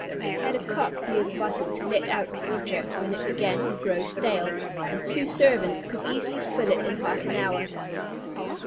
It had a cock near the bottom to let out the water, when it began to grow stale; and two servants could easily fill it in half an hour.